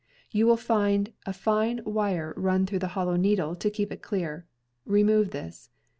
You will find a fine wire run through the hollow needle to keep it clear. Remove this.